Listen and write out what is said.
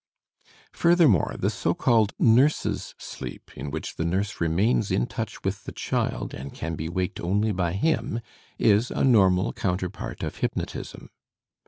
Furthermore, the so called nurse's sleep in which the nurse remains in touch with the child, and can be waked only by him, is a normal counterpart of hypnotism.